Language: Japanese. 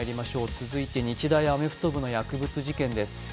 続いて、日大アメフト部の薬物事件です。